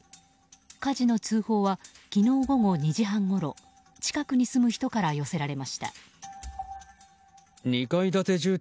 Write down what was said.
火事の通報は昨日午後２時半ごろ近くに住む人から寄せられました。